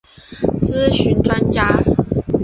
咨询专家